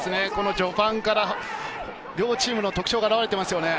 序盤から両チームの特徴が表れていますよね。